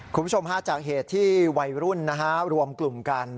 คุณผู้ชมฮาจากเหตุที่วัยรุ่นรวมกลุ่มกัน